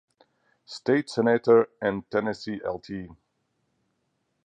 State Senator and Tennessee Lt.